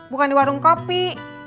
bukan di warung kopi